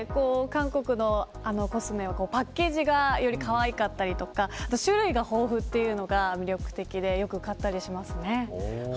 私はコスメの方が興味があって韓国のコスメはパッケージがよりかわいかったりとかあと種類が豊富というのが魅力的で、よく買ったりします。